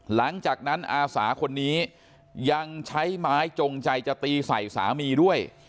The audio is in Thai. หลังจากนั้นอาสาคนนี้ยังใช้ไม้จงใจจะตีใส่สามีด้วย